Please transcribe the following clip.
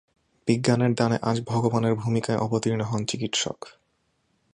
বিজ্ঞানের দানে আজ ভগবানের ভূমিকায় অবতীর্ণ হন চিকিৎসক।